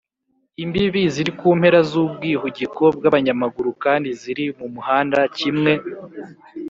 Imbibi ziri ku mpera z ubwihugiko bw abanyamaguru kandi ziri mu muhanda kimwe